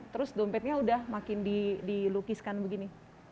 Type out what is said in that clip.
terus dompetnya udah makin dilukiskan begini